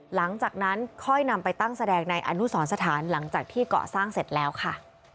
หลังจากนั้นค่อยนำไปตั้งแสดงในอนุสรสถานที่เกาะสร้างเสร็จแล้วค่ะ